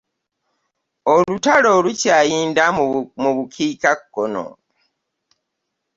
Olutalo lukyayinda mu bukiika kkono.